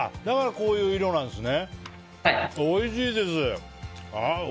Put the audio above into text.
だからこういう色なんですね。